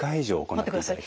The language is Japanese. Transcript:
待ってください。